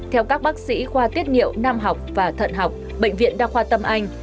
theo các bác sĩ khoa tiết nhiệu nam học và thận học bệnh viện đa khoa tâm anh